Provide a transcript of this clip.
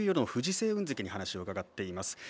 青雲関にお話を伺っています。